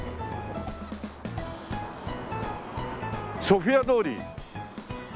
ソフィア通り。